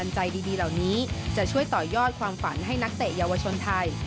ใจดีเหล่านี้จะช่วยต่อยอดความฝันให้นักเตะเยาวชนไทย